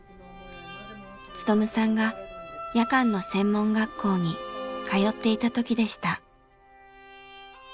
勉さんが夜間の専門学校に通っていた時でした。